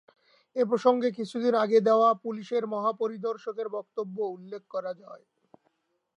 এ প্রসঙ্গে কিছুদিন আগে দেওয়া পুলিশের মহাপরিদর্শকের বক্তব্য উল্লেখ করা যায়।